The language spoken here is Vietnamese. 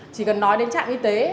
chỉ cần nói đến trạm y tế